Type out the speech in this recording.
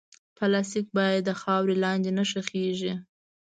پلاستيک باید د خاورې لاندې نه ښخېږي.